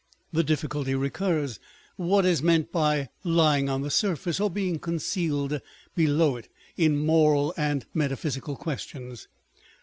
The difficulty recurs â€" What is meant by lying on the surface, or being concealed below it, in moral and metaphysical questions?